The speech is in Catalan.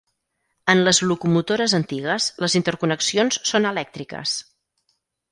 En les locomotores antigues les interconnexions són elèctriques.